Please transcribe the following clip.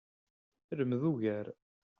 Lmed ugar.